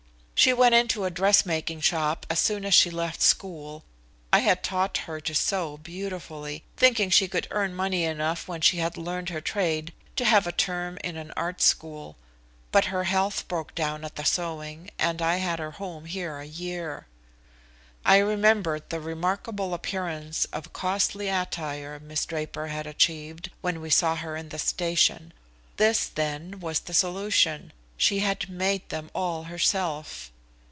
"She went into a dressmaking shop as soon as she left school I had taught her to sew beautifully thinking she could earn money enough when she had learned her trade to have a term in an art school. But her health broke down at the sewing, and I had her home here a year." I remembered the remarkable appearance of costly attire Miss Draper had achieved when we saw her in the station. This, then, was the solution. She had made them all herself.